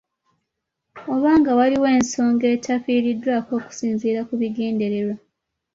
Oba nga waliwo ensonga etafiiriddwako okusinziira ku bigendererwa